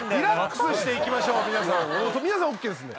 皆さんＯＫですんで。